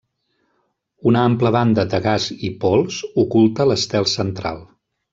Una ampla banda de gas i pols oculta l'estel central.